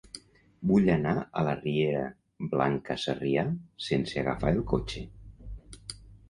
Vull anar a la riera Blanca Sarrià sense agafar el cotxe.